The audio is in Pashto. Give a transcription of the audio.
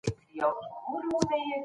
ښځه هم د بل چا وکيله کېدلای سي.